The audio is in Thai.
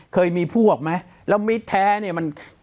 เคยมีพวกมั้ยแล้วมิตรแท้เนี่ย